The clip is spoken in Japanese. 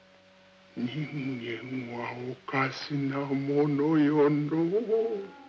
人間はおかしなものよのう。